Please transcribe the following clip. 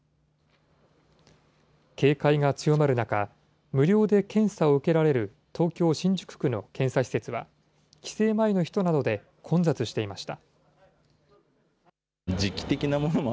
警戒が強まる中、無料で検査を受けられる東京・新宿区の検査施設は、帰省前の人などで混雑していました。